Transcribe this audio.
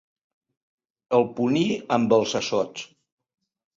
El puní amb els assots.